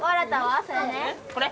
これ？